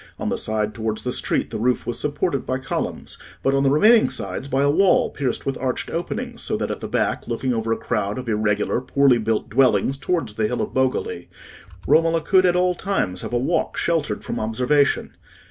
On the side towards the street the roof was supported by columns; but on the remaining sides, by a wall pierced with arched openings, so that at the back, looking over a crowd of irregular, poorly built dwellings towards the hill of Bogoli, Romola could at all times have a walk sheltered from observation.